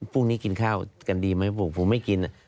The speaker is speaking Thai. พรุ่งนี้กินข้าวกันดีไหมพวกผมไม่กินอะ